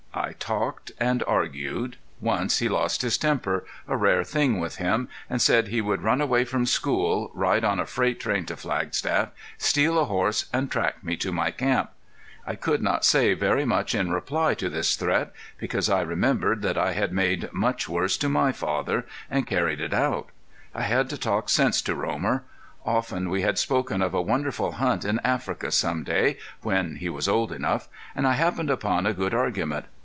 I talked and argued. Once he lost his temper, a rare thing with him, and said he would run away from school, ride on a freight train to Flagstaff, steal a horse and track me to my camp. I could not say very much in reply to this threat, because I remembered that I had made worse to my father, and carried it out. I had to talk sense to Romer. Often we had spoken of a wonderful hunt in Africa some day, when he was old enough; and I happened upon a good argument.